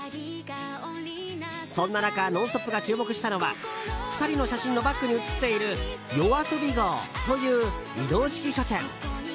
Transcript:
そんな中、「ノンストップ！」が注目したのは２人の写真のバックに写っているＹＯＡＳＯＢＩ号という移動式書店。